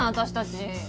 私たち。